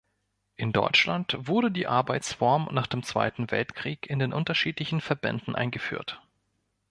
In Deutschland wurde die Arbeitsform nach dem Zweiten Weltkrieg in den unterschiedlichen Verbänden eingeführt.